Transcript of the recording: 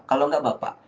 kalau gak bapak